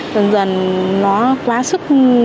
dần dần nó quá sức